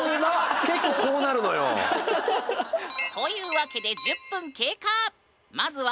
結構こうなるのよ。というわけで１０分経過！